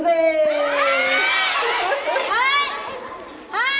はい！